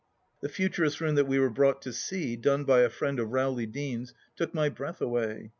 The Futurist room that we were brought to see, done by a friend of Rowley Deane's, took my breath away.